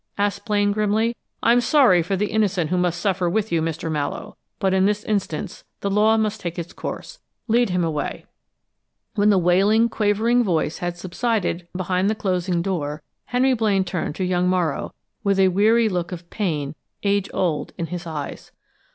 asked Blaine, grimly. "I'm sorry for the innocent who must suffer with you, Mr. Mallowe, but in this instance the law must take its course. Lead him away." When the wailing, quavering voice had subsided behind the closing door, Henry Blaine turned to young Morrow with a weary look of pain, age old, in his eyes.